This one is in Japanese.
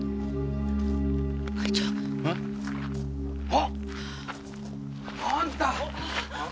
あっ！あんた。